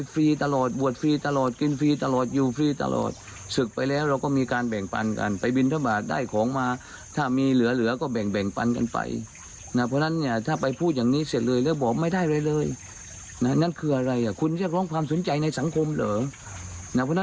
ฟังเพิ่มเติมครับ